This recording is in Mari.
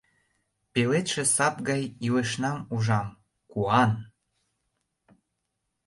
Пеледше сад гай илышнам ужам — куан!